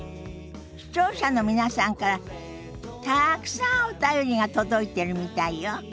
視聴者の皆さんからたくさんお便りが届いてるみたいよ。